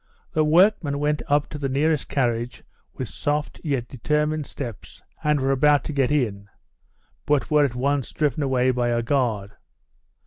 The workmen went up to the nearest carriage with soft yet determined steps, and were about to get in, but were at once driven away by a guard.